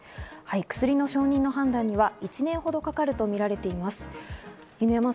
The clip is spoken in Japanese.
薬の承認の判断には１年ほどかかるとみられています。